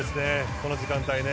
この時間帯。